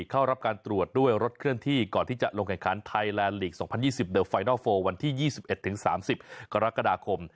เข้ารับการตรวจด้วยรถเครื่องที่ก่อนที่จะลงการค้านไทยแลนด์หลีกสองพันยี่สิบเดอะไฟนัลฟอร์วันที่ยี่สิบเอ็ดถึงสามสิบกรกฎาคม